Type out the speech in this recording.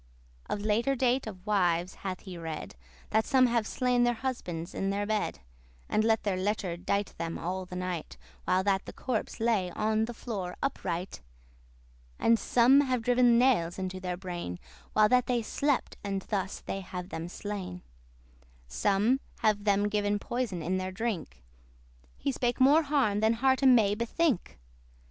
Of later date of wives hath he read, That some have slain their husbands in their bed, And let their *lechour dight them* all the night, *lover ride them* While that the corpse lay on the floor upright: And some have driven nails into their brain, While that they slept, and thus they have them slain: Some have them given poison in their drink: He spake more harm than hearte may bethink.